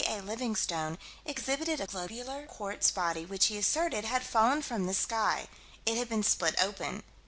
A. Livingstone, exhibited a globular quartz body which he asserted had fallen from the sky. It had been split open.